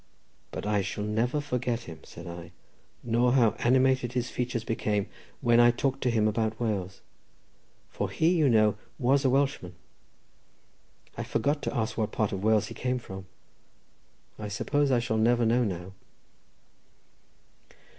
"But I shall never forget him," said I, "nor how animated his features became when I talked to him about Wales, for he, you know, was a Welshman. I forgot, to ask what part of Wales he came from. I suppose I shall never know now."